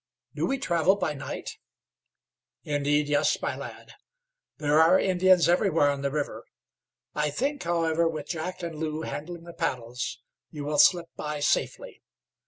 "Do we travel by night?" "Indeed, yes, my lad. There are Indians everywhere on the river. I think, however, with Jack and Lew handling the paddles, you will slip by safely.